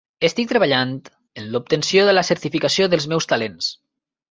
Estic treballant en l'obtenció de la certificació dels meus talents.